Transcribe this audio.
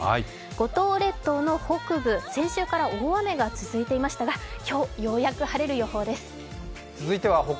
五島列島の北部、先週から大雨が続いていましたが今日、ようやく晴れる予報です。